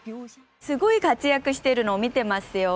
すごい活躍してるのを見てますよ。